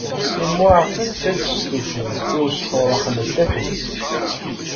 Timmuɛfent ad testufu i usefrurex n tatut.